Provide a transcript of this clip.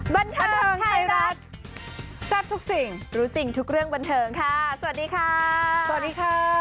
บันเทิงไทยรัฐแซ่บทุกสิ่งรู้จริงทุกเรื่องบันเทิงค่ะสวัสดีค่ะสวัสดีค่ะ